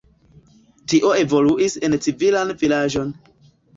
Tio evoluis en civilan vilaĝon.